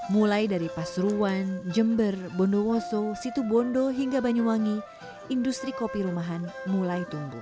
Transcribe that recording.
mulai dari pasuruan jember bondowoso situbondo hingga banyuwangi industri kopi rumahan mulai tumbuh